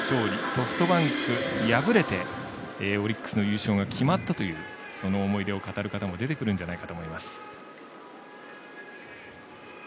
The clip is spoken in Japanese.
ソフトバンク敗れてオリックスの優勝が決まったというその思い出を語る方も出てくるんじゃないかと思います。